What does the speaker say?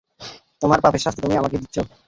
তোমার পাপের শাস্তি তুমি আমাকে দিচ্ছো!